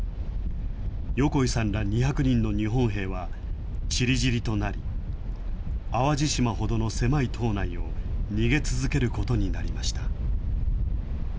横井さんら２００人の日本兵はちりぢりとなり、淡路島ほどの狭い島内を逃げ続けることになりました。